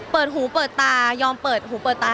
เปิดหูเปิดตายอมเปิดหูเปิดตา